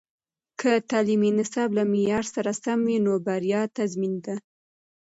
که تعلیمي نصاب له معیار سره سم وي، نو بریا تضمین ده.